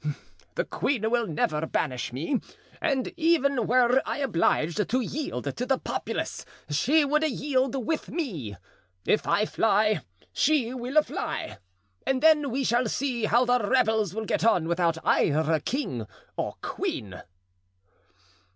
The queen will never banish me, and even were I obliged to yield to the populace she would yield with me; if I fly, she will fly; and then we shall see how the rebels will get on without either king or queen.